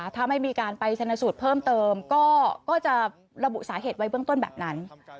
ถ้าไม่มีการไปชนสูตรเพิ่มเติมก็จะระบุสาเหตุไว้เบื้องต้นแบบนั้น